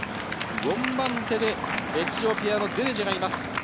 ４番手で、エチオピアのデレッジェがいます。